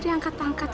dia angkat dong maudie